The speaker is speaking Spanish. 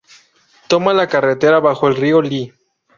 Toma la carretera bajo el río Lee.